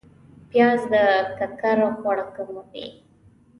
پیاز د ککر غوړ کموي